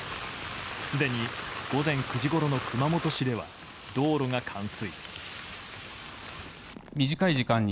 すでに午前９時ごろの熊本市では道路が冠水。